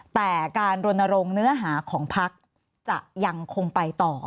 แต่การรณรงค์เนื้อหาของพักจะยังคงไปต่อ